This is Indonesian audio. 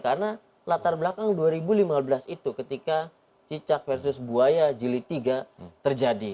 karena latar belakang dua ribu lima belas itu ketika cicak versus buaya jili tiga terjadi